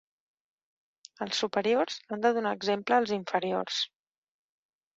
Els superiors han de donar exemple als inferiors.